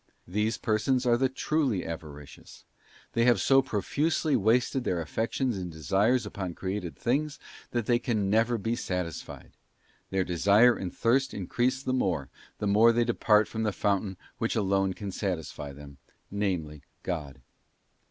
These persons are the truly avaricious; they have so profusely wasted their affec tions and desires upon created things that they can never be satisfied; their desire and thirst increase the more, the more they depart from the Fountain which alone can satisfy them, namely, God.